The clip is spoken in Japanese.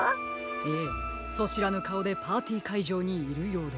ええそしらぬかおでパーティーかいじょうにいるようです。